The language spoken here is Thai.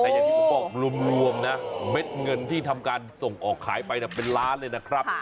แต่อย่างที่ผมบอกรวมนะเม็ดเงินที่ทำการส่งออกขายไปเป็นล้านเลยนะครับ